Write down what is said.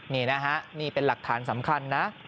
นี่นะฮะนี่เป็นหลักฐานสำคัญนะ